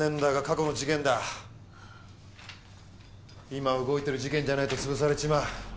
今動いてる事件じゃないと潰されちまう。